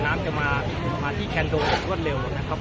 น้ำจะมาที่แคนโดอย่างรวดเร็วนะครับ